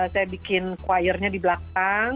saya bikin choir nya di belakang